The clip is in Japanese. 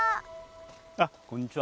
あっこんにちは。